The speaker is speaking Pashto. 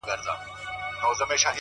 اوښـكه د رڼـــا يــې خوښــــه ســـوېده،